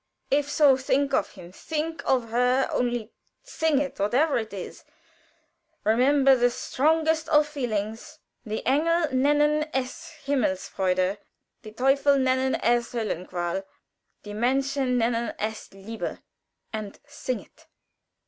"If so, think of him; think of her only sing it, whatever it is. Remember the strongest of feelings: "'Die Engel nennen es Himmelsfreude Die Teufel nennen es Höllenqual, Die Menschen nennen es LIEBE!' "And sing it!"